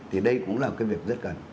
thì đây cũng là cái việc rất cần